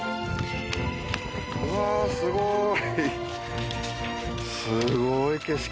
うわすごい！